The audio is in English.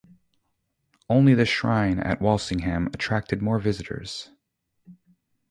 Only the shrine at Walsingham attracted more visitors.